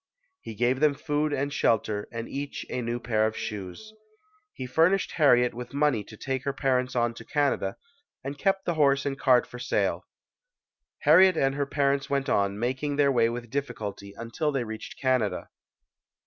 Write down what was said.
He gave them food and shelter and each a new pair of shoes. He fur nished Harriet with money to take her parents 96 ] UNSUNG HEROES on to Canada, and kept the horse and cart for sale. Harriet and her parents went on, making their way with difficulty, until they reached Canada.